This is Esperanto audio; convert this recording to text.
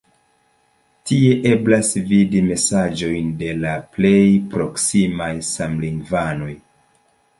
Tie eblas vidi mesaĝojn de la plej proksimaj samlingvanoj.